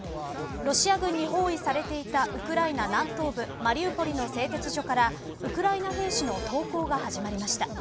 ロシア軍に包囲されていたウクライナ南東部マリウポリの製鉄所からウクライナ兵士の投降が始まりました。